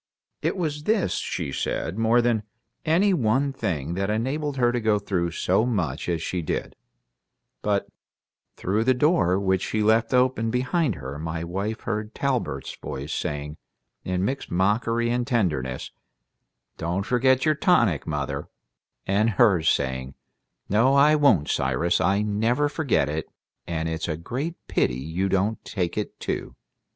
It was this, she said, more than any one thing that enabled her to go through so much as she did; but through the door which she left open behind her my wife heard Talbert's voice saying, in mixed mockery and tenderness, "Don't forget your tonic, mother," and hers saying, "No, I won't, Cyrus. I never forget it, and it's a great pity you don't take it, too."